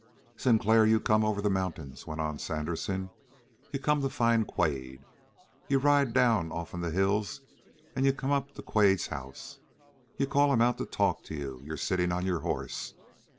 "Sinclair, you come over the mountains," went on Sandersen. "You come to find Quade. You ride down off'n the hills, and you come up to Quade's house. You call him out to talk to you. You're sitting on your horse.